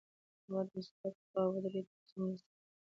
هغه د استاد خواته ودرېد تر څو مرسته ورسره وکړي